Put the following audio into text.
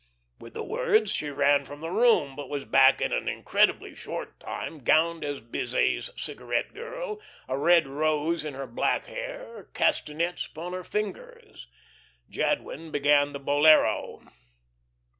With the words she ran from the room, but was back in an incredibly short time, gowned as Bizet's cigarette girl, a red rose in her black hair, castanets upon her fingers. Jadwin began the bolero.